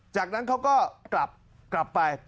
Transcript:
จากนั้นเขาก็กลับไป